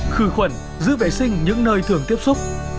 khử khuẩn giữ vệ sinh những nơi thường tiếp xúc